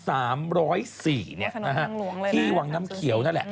ถนนทางหลวงเลยนะฮะที่วังน้ำเขียวนั่นแหละ